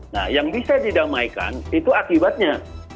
nah yang bisa didamaikan itu akibatnya